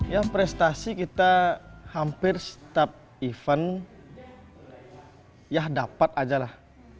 ya prestasi kita hampir setiap event ya dapat aja lah